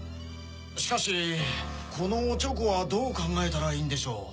しかしこのオチョコはどう考えたらいいんでしょう？